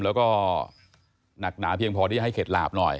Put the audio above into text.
แล้วก็หนักหนาเพียงพอที่ให้เข็ดหลาบหน่อย